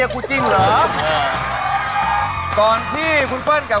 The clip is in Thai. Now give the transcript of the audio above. ๑๗กิโลกรัมครับ